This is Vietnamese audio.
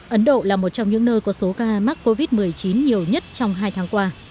ấn độ là một trong những nơi có số ca mắc covid một mươi chín nhiều nhất trong hai tháng qua